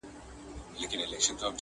غټي داړي یې ښکاره کړې په خندا سو!.